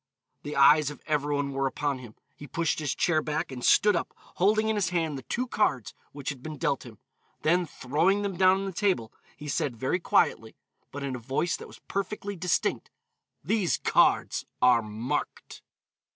The eyes of every one were upon him. He pushed his chair back, and stood up, holding in his hand the two cards which had been dealt him, then throwing them down on the table, he said very quietly, but in a voice that was perfectly distinct, "These cards are marked."